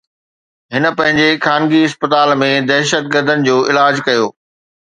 هن پنهنجي خانگي اسپتال ۾ دهشتگردن جو علاج ڪيو